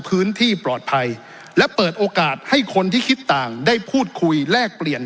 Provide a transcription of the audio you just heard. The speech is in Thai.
พื้นที่ปลอดภัยและเปิดโอกาสให้คนที่คิดต่างได้พูดคุยแลกเปลี่ยน